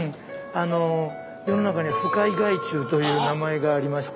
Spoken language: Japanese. あの世の中には不快害虫という名前がありまして。